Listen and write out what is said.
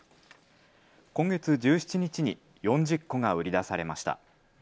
今月１７日に４０戸が売り出されました。